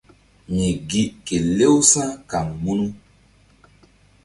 Mi gi kelew sa̧ kaŋ munu.